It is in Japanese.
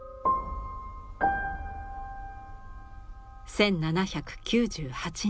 １７９８年。